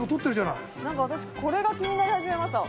なんか私これが気になり始めました。